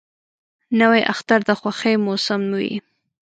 نوی اختر د خوښۍ موسم وي